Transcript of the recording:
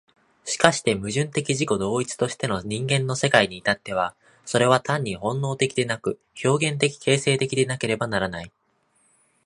しかして矛盾的自己同一としての人間の世界に至っては、それは単に本能的でなく、表現的形成的でなければならない。